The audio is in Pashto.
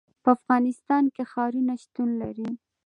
په افغانستان کې ښارونه شتون لري.